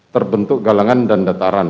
terbentuk galangan dan dataran